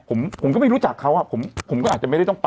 ผมผมก็ไม่รู้จักเขาอ่ะผมก็อาจจะไม่ได้ต้องไป